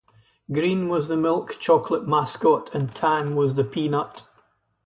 Green was the milk chocolate mascot and Tan was the peanut.